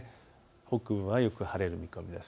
北部はよく晴れる見込みです。